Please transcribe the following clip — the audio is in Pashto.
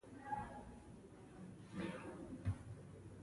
مشروطیت باید مسوول لومړی وزیر وټاکي.